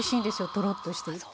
とろっとしていて。